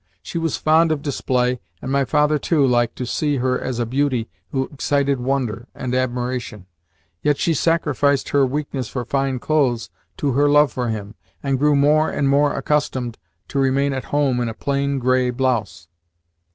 She was fond of display, and my father too liked to see her as a beauty who excited wonder and admiration; yet she sacrificed her weakness for fine clothes to her love for him, and grew more and more accustomed to remain at home in a plain grey blouse.